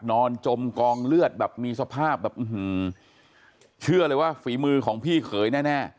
จมกองเลือดแบบมีสภาพแบบเชื่อเลยว่าฝีมือของพี่เขยแน่